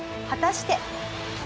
果たして。